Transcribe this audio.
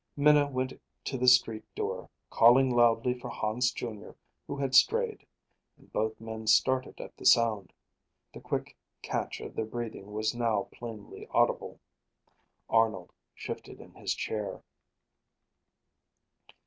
Minna went to the street door, calling loudly for Hans, Jr., who had strayed, and both men started at the sound. The quick catch of their breathing was now plainly audible. Arnold shifted in his chair.